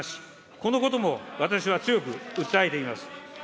このことも私は強く訴えています。